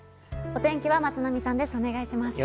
お天気は松並さんです。